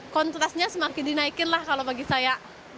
kontrasnya semakin dinaikin lah kalau bagi saya